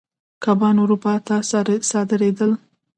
کبان اروپا ته صادرېدل.